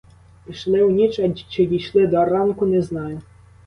Пішли у ніч, а чи дійшли до ранку — не знаю.